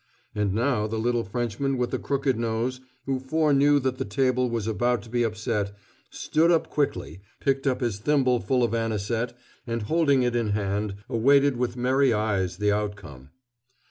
And now the little Frenchman with the crooked nose, who foreknew that the table was about to be upset, stood up quickly, picked up his thimbleful of anisette, and holding it in hand, awaited with merry eyes the outcome.